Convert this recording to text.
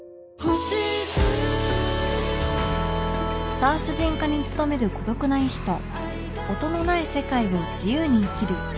産婦人科に勤める孤独な医師と音のない世界を自由に生きる遺品整理士